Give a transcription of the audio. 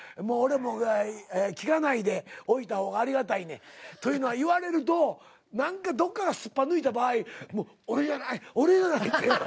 俺も聞かないでおいた方がありがたいねん。というのは言われると何かどっかがすっぱ抜いた場合俺じゃない俺じゃないって。